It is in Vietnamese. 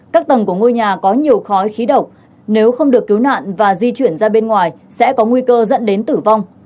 các tầng của ngôi nhà có nhiều khói khí độc nếu không được cứu nạn và di chuyển ra bên ngoài sẽ có nguy cơ dẫn đến tử vong